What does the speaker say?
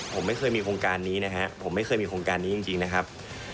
ผมไม่เคยมีโครงการนี้นะครับผมไม่เคยมีโครงการนี้จริงนะครับ